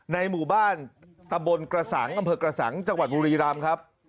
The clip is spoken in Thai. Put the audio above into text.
ในหมู่บ้านตะบนกระสังอำเภอกระสังจังหวัดบุรีรำครับ